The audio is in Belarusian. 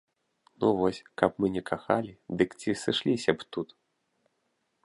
Ну вось, каб мы не кахалі, дык ці сышліся б тут?